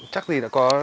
chắc gì đã có